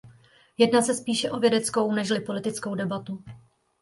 Jedná se spíše o vědeckou nežli politickou debatu.